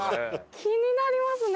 気になりますね。